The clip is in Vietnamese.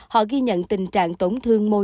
họ ghi nhận tình trạng tổn thương mô